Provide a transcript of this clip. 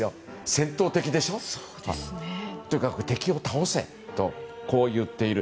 戦闘的でしょ？というか敵を倒せといっている。